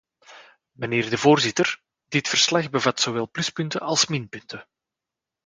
Mijnheer de voorzitter, dit verslag bevat zowel pluspunten als minpunten.